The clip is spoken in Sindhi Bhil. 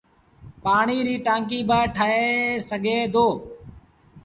پآڻيٚ ريٚ ٽآنڪيٚ با ٺآهي سگھي دو۔